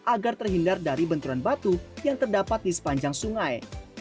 agar terhindar dari benturan batu yang terdapat di sepanjang sungai